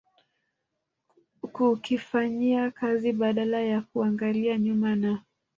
kukifanyia kazi badala ya kuangalia nyuma na